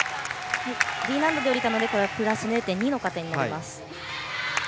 Ｄ難度で下りたのでプラス０．２の加点になります。